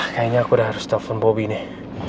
kayaknya aku udah harus telepon bobby nih